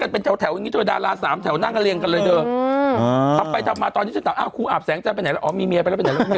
แม่เดี๋ยวก่อนก่อนจะหาแสงจันทร์วันนี้มีที่ไหนฝนตกเว้อ